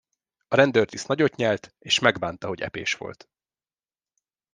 A rendőrtiszt nagyot nyelt és megbánta, hogy epés volt.